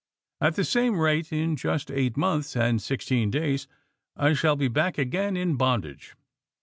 At the same rate, in just eight months and sixteen days I shall be back again in bondage."